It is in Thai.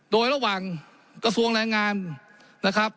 โดยระหว่างกระทรวงแรงงานนะครับ